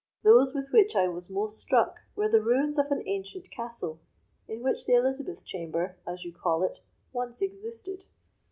Those with which I was most struck were the ruins of an ancient castle in which that Elizabeth chamber, as you call it, once existed.